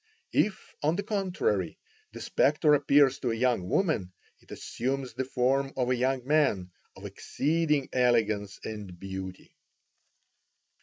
If, on the contrary, the spectre appears to a young woman, it assumes the form of a young man of exceeding elegance and beauty."